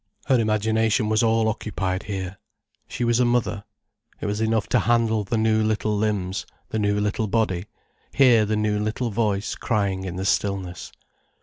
Her imagination was all occupied here. She was a mother. It was enough to handle the new little limbs, the new little body, hear the new little voice crying in the stillness.